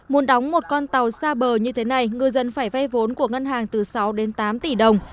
muốn đóng một con tàu xa bờ như thế này ngư dân phải ve vốn của ngân hàng từ sáu đến tám tỷ đồng